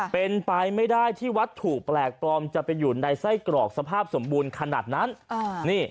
เป็นไปไม่ได้ที่วัตถุแปลกปลอมจะไปอยู่ในไส้กรอกสภาพสมบูรณ์ขนาดนั้น